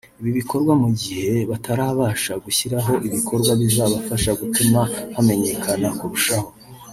Ibi bikorwa mu gihe batarabasha gushyiraho ibikorwa bizabafasha gutuma hamenyekana kurushaho